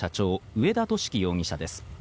上田敏樹容疑者です。